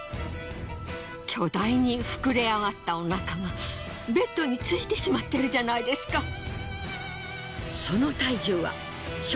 巨大に膨れ上がったお腹がベッドについてしまってるじゃないですか。